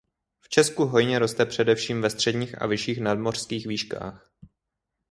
V Česku hojně roste především ve středních a vyšších nadmořských výškách.